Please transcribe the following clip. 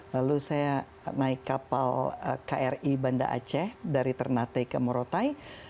lalu saya naik kapal kri banda aceh dari ternate ke morotai